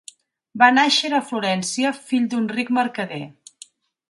Va nàixer a Florència, fill d'un ric mercader.